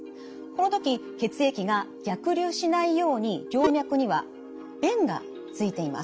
この時血液が逆流しないように静脈には弁がついています。